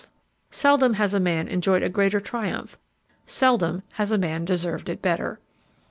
Seldom has a man enjoyed a greater triumph; seldom has a man deserved it better.